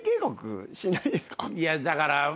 いやだから。